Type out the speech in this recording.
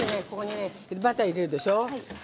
バター、入れるでしょ。